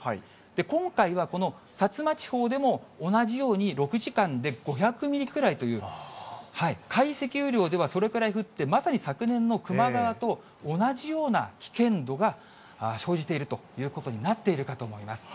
今回は、この薩摩地方でも同じように６時間で５００ミリくらいという、解析雨量ではそれくらい降って、まさに昨年の球磨川と同じような危険度が生じているということになっているかと思います。